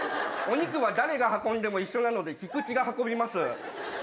お肉は誰が運んでも一緒なのでキクチが運びます。